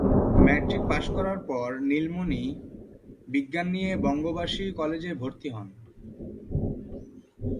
Matric pass করার পার নীলমণি বিজ্ঞান নিয়ে বঙ্গবাসী কলেজে ভর্তি হন।